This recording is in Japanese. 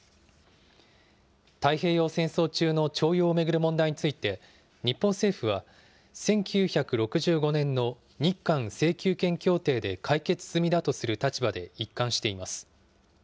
太平洋戦争中の徴用を巡る問題について、日本政府は１９６５年の日韓請求権協定で解決済みだとする立場で一貫しています。